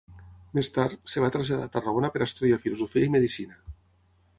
Més tard, es va traslladar a Tarragona per a estudiar filosofia i medicina.